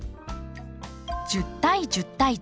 １０対１０対１０。